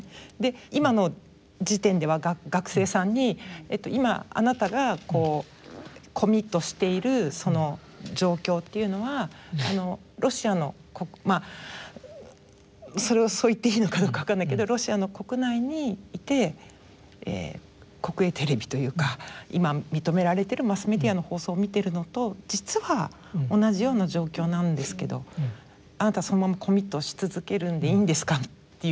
今の時点では学生さんに今あなたがコミットしているその状況というのはロシアのまあそれをそう言っていいのかどうかわからないけどロシアの国内にいて国営テレビというか今認められてるマスメディアの放送を見てるのと実は同じような状況なんですけどあなたそのままコミットし続けるんでいいんですかっていうね。